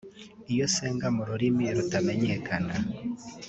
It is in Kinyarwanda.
Iyo nsenga mu rurimi rutamenyekana